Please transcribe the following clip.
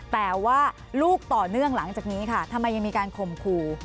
แต่ว่าลูกต่อเนื่องหลังจากนี้ค่ะทำไมยังมีการข่มขู่